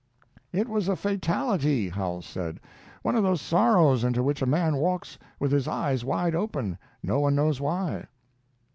"It was a fatality," Howells said. "One of those sorrows into which a man walks with his eyes wide open, no one knows why."